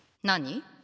何？